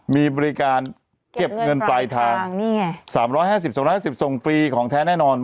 มีบริการเก็บเงินปลายทางนี่ไง๓๕๐๒๕๐ส่งฟรีของแท้แน่นอน